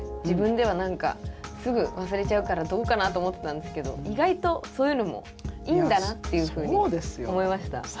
自分では何かすぐ忘れちゃうからどうかなと思ってたんですけど意外とそういうのもいいんだなっていうふうに思いました。